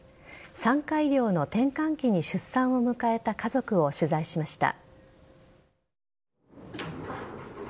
産科医療の転換期に出産を迎えた家族を取材しました。